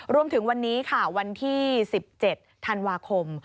รวมถึงวันนี้ค่ะวันที่๑๗ธันวาคม